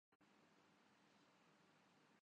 Brunei